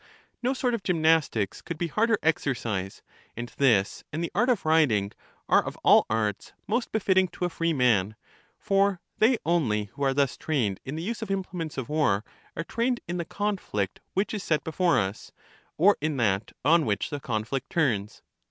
No sort of gymnastics could be harder exercise; and this, and the art of riding, are of all arts most befitting to a freeman; for they only who are thus trained in the use of implements of war are trained in the conflict which is set before us, or in that on which the conflict turns.